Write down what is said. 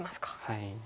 はい。